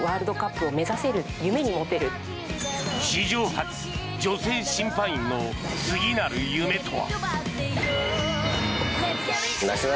史上初、女性審判員の次なる夢とは。